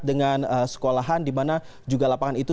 dengan sekolahan dimana juga lapangan itu